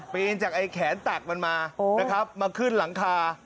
นจากไอ้แขนตักมันมานะครับมาขึ้นหลังคา